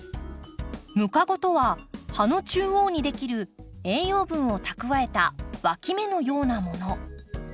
ムカゴとは葉の中央にできる栄養分を蓄えたわき芽のようなもの。